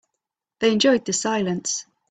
They enjoyed the silence.